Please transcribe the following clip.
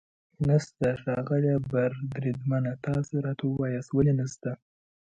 نشته؟ ښاغلی بریدمنه، تاسې راته ووایاست ولې نشته.